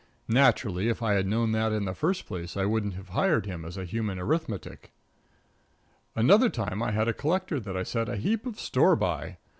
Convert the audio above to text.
Naturally, if I had known that in the first place I wouldn't have hired him as a human arithmetic. Another time I had a collector that I set a heap of store by.